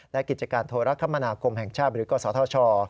และกิจการโทรศัพท์มนาคมแห่งชาติหรือสภช